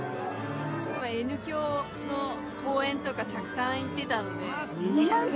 Ｎ響の公演とかたくさん行ってたのでいや